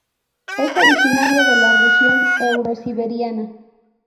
Es originaria de la región eurosiberiana.